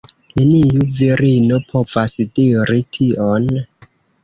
Neniu virino povas diri tion